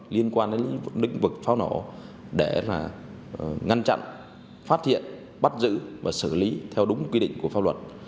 liên quan đến lĩnh vực pháo nổ để ngăn chặn phát hiện bắt giữ và xử lý theo đúng quy định của pháp luật